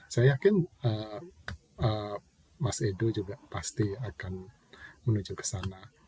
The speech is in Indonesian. saya yakin mas edo juga pasti akan menuju ke sana